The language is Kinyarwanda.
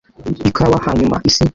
ikawa, hanyuma isi.